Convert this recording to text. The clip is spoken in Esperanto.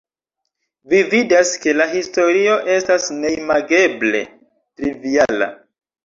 Vi vidas, ke la historio estas neimageble triviala.